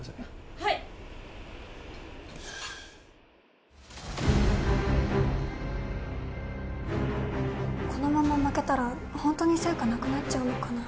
はいこのまま負けたらホントに専科なくなっちゃうのかな